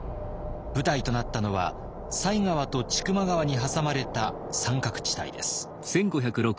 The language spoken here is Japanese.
舞台となったのは犀川と千曲川に挟まれた三角地帯です。